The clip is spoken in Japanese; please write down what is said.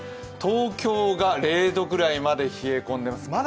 東京が０度ぐらいまで冷え込んでいます。